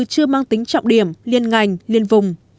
chưa mang tính trọng điểm liên ngành liên vùng